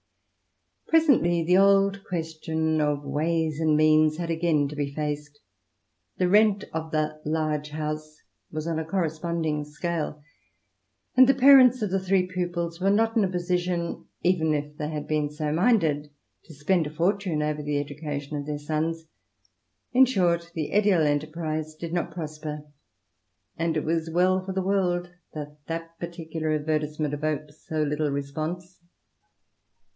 Presently, the old question of ways and means had again to be faced; the rent of the large house" was on a corres ponding scale, and the parents of the three pupils were not in a position, even if they had been so minded, to spend a fortune over the education of their sons. In short, the Edial enterprise did not prosper, and it was well for the INTEODUCTION. xi world that that particular adrertisement evoked so little response.